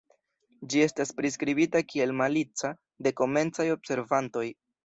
Ĝi estis priskribita kiel "malica" de komencaj observantoj.